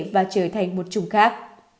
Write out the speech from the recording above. và trở thành một chùng khác